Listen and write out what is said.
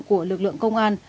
của lực lượng công an